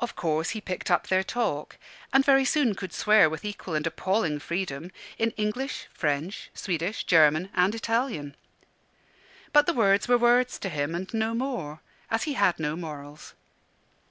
Of course he picked up their talk, and very soon could swear with equal and appalling freedom in English, French, Swedish, German, and Italian. But the words were words to him and no more, as he had no morals.